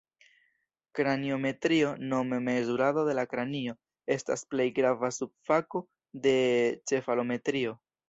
Kraniometrio, nome mezurado de la kranio, estas plej grava subfako de cefalometrio.